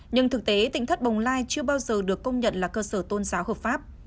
nhưng thực tế tỉnh thất bồng lai chưa bao giờ được công nhận là cơ sở tôn giáo hợp pháp